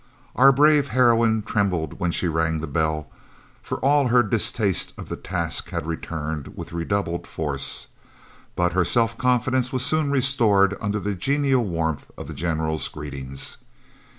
Our "brave" heroine trembled when she rang the bell, for all her distaste of the task had returned with redoubled force, but her self confidence was soon restored under the genial warmth of the General's greetings.